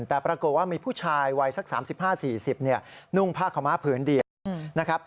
แต่ปรากฏว่ามีผู้ชายวัยสัก๓๕๔๐นุ่งผ้าขาวม้าผืนเดียวนะครับ